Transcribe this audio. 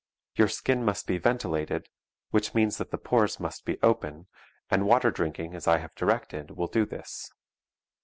Your skin must be ventilated, which means that the pores must be opened, and water drinking as I have directed will do this.